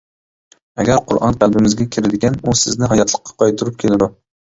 ئەگەر قۇرئان قەلبىمىزگە كىرىدىكەن، ئۇ سىزنى ھاياتلىققا قايتۇرۇپ كېلىدۇ.